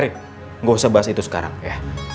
eri gak usah bahas itu sekarang ya